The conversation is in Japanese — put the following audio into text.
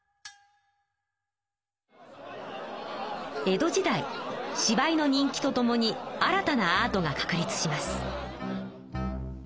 江戸時代芝居の人気とともに新たなアートが確立します。